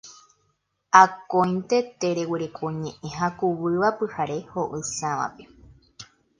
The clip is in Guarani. Akóinte tereguereko ñe'ẽ hakuvýva pyhare ho'ysãvape